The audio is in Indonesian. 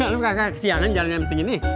lu kakak kesiangan jalaninnya mesti gini